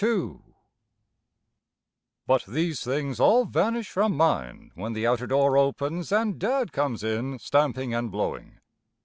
II But these things all vanish from mind when the outer door opens and Dad comes in stamping and blowing.